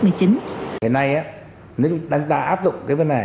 hồi nay nếu chúng ta áp dụng cái vấn này